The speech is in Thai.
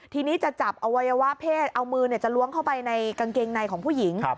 ทีนี้จะจับอวัยวะเพศเอามือจะล้วงเข้าไปในกางเกงในของผู้หญิง